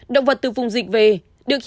động vật từ vùng dịch về được hiểu theo hai nghĩa